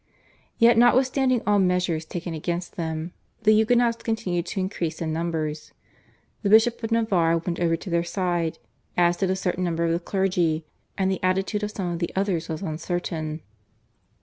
Yet notwithstanding all measures taken against them the Huguenots continued to increase in numbers. The Bishop of Navarre went over to their side, as did a certain number of the clergy, and the attitude of some of the others was uncertain.